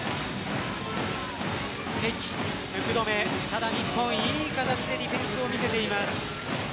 関、福留日本、いい形でディフェンスを見せています。